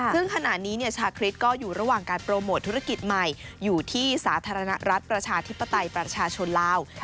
ซึ่งขณะนี้ชาคริสก็อยู่ระหว่างการโปรโมทธุรกิจใหม่อยู่ที่สาธารณรัฐประชาธิปไตยประชาชนลาว